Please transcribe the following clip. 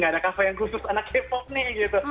gak ada kafe yang khusus anak k pop nih gitu